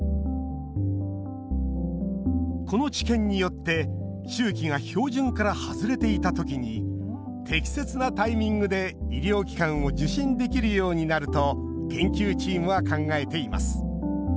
この知見によって周期が標準から外れていたときに適切なタイミングで医療機関を受診できるようになると研究チームは考えています